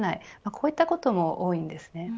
こういったことも多いんです。